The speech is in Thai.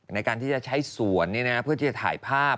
ในการที่จะใช้สวนเพื่อที่จะถ่ายภาพ